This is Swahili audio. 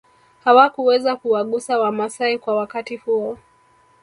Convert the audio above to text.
Hawakuweza kuwagusa wamasai kwa wakati huo